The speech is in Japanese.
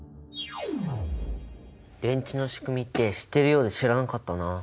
電池のしくみって知ってるようで知らなかったな。